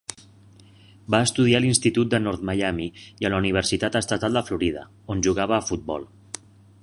Va estudiar a l'Institut de North Miami i a la Universitat estatal de Florida, on jugava a futbol.